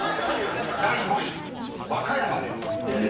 ［第５位「和歌山」です］え！